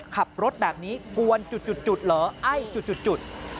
ขับรถแบบนี้กวนจุดเหรอไอ้จุด